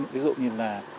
ví dụ như là